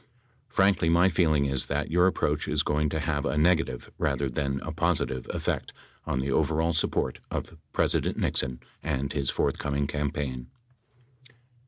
Frankly, my feeling is that your approach is going to have a negative, rather than a positive, effect on the overall support of President Nixon and his forthcoming campaign.